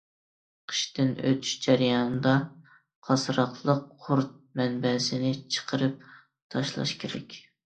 قىشتىن ئۆتۈش جەريانىدا قاسراقلىق قۇرت مەنبەسىنى چىقىرىپ تاشلاش كېرەك.